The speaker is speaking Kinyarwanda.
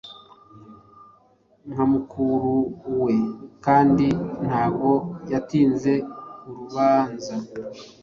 Nkamukuru we, kandi ntago yatinze urubaanza